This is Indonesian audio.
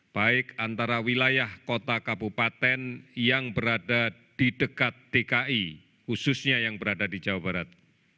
baik antara wilayah kota kabupaten yang berada di dekat dki khususnya yang berada di jawa barat